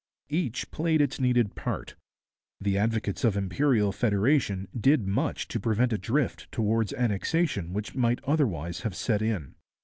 Each played its needed part. The advocates of Imperial Federation did much to prevent a drift towards Annexation which might otherwise have set in.